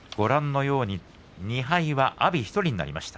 ２敗は阿炎１人になりました。